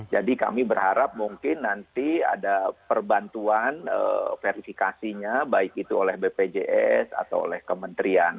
jadi kami berharap mungkin nanti ada perbantuan verifikasinya baik itu oleh bpjs atau oleh kementerian